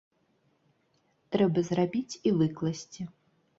Трэба зрабіць і выкласці!